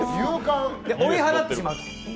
追い払ってしまう。